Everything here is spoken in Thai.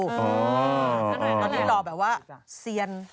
ตอนนี้หล่อแบบว่าเซียน